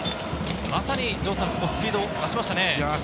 まさに城さん、スピード出しましたね。